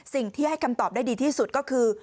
สิ่งที่ให้คำตอบได้ดีที่สุดก็คือ